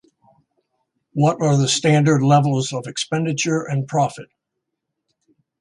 What are the standard levels of expenditure and profit?